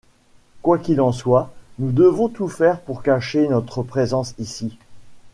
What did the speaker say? Quoi qu’il en soit, nous devons tout faire pour cacher notre présence ici